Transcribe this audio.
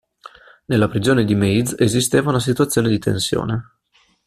Nella prigione di Maze esisteva una situazione di tensione.